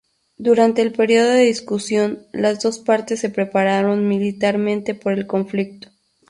Durante el periodo de discusión, las dos partes se prepararon militarmente por el conflicto.